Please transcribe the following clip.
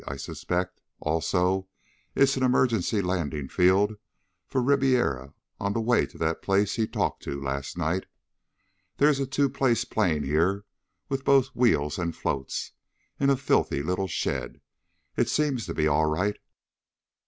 I suspect, also, it's an emergency landing field for Ribiera on the way to that place he talked to last night. There's a two place plane here with both wheels and floats, in a filthy little shed. It seems to be all right.